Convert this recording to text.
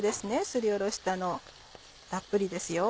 すりおろしたのたっぷりですよ。